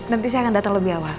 nanti saya akan data lebih awal